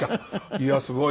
いやすごいわ。